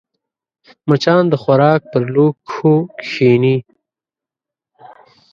مچان د خوراک پر لوښو کښېني